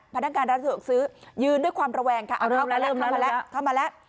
พนักงานร้านสะดวกซื้อยืนด้วยความระแวงค่ะเอาเข้ามาแล้วเข้ามาแล้วเข้ามาแล้ว